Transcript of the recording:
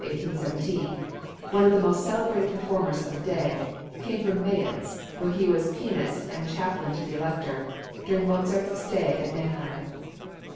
Sterkel (1750 1817), one of the most celebrated performers of the day, came from Mayence (where he was pianist and chaplain to the Elector) during Mozart's stay at Mannheim.